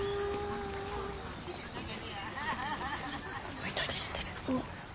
お祈りしてる。